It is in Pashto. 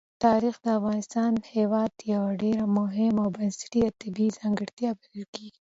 تاریخ د افغانستان هېواد یوه ډېره مهمه او بنسټیزه طبیعي ځانګړتیا بلل کېږي.